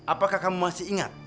apakah kamu masih ingat